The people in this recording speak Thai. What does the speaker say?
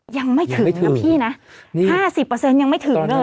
ยังไม่ถึงนะพี่นะ๕๐ยังไม่ถึงเลย